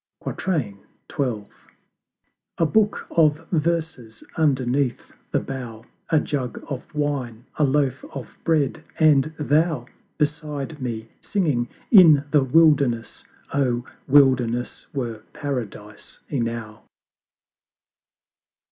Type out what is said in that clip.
XII. A Book of Verses underneath the Bough, A Jug of Wine, a Loaf of Bread and Thou Beside me singing in the Wilderness Oh, Wilderness were Paradise enow!